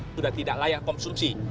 sudah tidak layak konstruksi